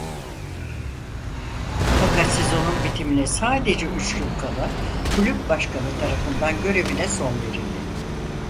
Fakat sezonun bitimine sadece üç gün kala kulüp başkanı tarafından görevine son verildi.